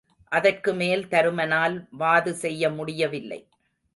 அதற்குமேல் தருமனால் வாது செய்ய முடியவில்லை.